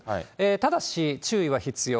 ただし、注意は必要。